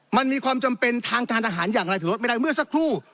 มันมีความจำเป็นทางการทหารอย่างไรถือว่าไม่ได้เมื่อสักครู่